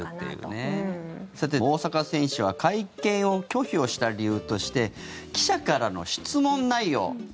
さて、大坂選手は会見を拒否をした理由として記者からの質問内容。